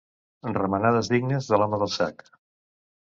Remenades dignes de l'home del sac.